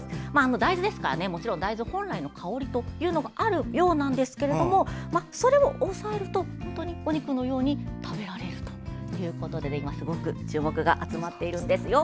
大豆ですからもちろん大豆本来の香りもあるようなんですけどそれを抑えると本当にお肉のように食べられるということで今、すごく注目が集まっているんですよ。